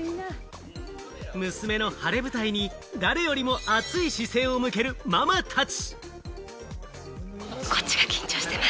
娘の晴れ舞台に、誰よりも熱い視線を向けるママたち。